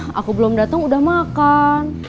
ih kamu mah aku belum datang udah makan